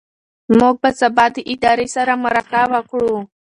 موږ به سبا د ادارې سره مرکه وکړو.